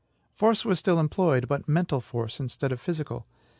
Force was still employed, but mental force instead of physical.